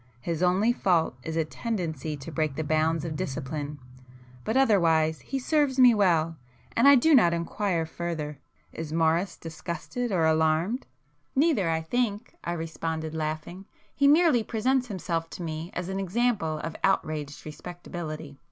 His only fault is a tendency to break the bounds of discipline, but otherwise he serves me well, and I do not inquire further. Is Morris disgusted or alarmed?" "Neither I think," I responded laughing—"He merely presents himself to me as an example of outraged respectability."